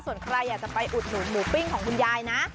ส่วนใครอยากจะไปอุดหนุนหมูปิ้งของคุณยายนะ